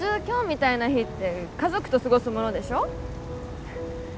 今日みたいな日って家族と過ごすものでしょ？